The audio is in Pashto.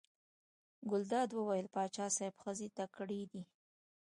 ګلداد وویل: پاچا صاحب ښځې تکړې دي.